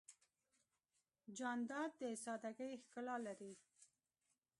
جانداد د سادګۍ ښکلا ده.